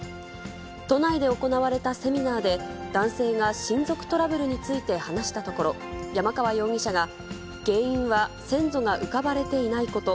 都内で行われたセミナーで、男性が親族トラブルについて話したところ、山川容疑者が、原因は先祖が浮かばれていないこと。